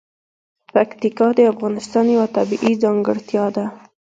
پکتیکا د افغانستان یوه طبیعي ځانګړتیا ده.